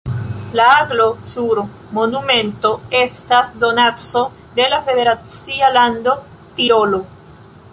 La aglo sur monumento estas donaco de la federacia lando Tirolo.